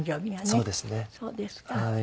そうですか。